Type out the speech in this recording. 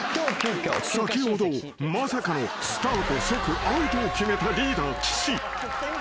［先ほどまさかのスタート即アウトを決めたリーダー岸］